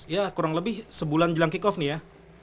ya kurang lebih sebulan jelang kick off nih ya